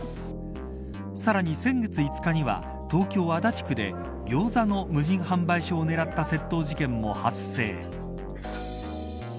さらに先月５日には東京足立区でギョーザの無人販売所をねらった窃盗事件も発生。